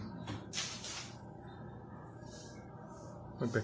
ไม่แปลกแปลว่ะ